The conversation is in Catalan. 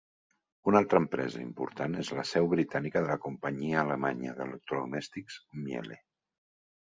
Un altra empresa important és la seu britànica de la companyia alemanya d'electrodomèstics Miele.